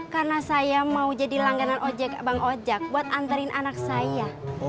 karena saya mau jadi langganan ojek bang ojek buat antarin anak saya